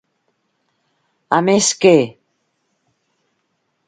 A més que.